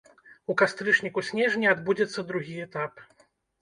У кастрычніку-снежні адбудзецца другі этап.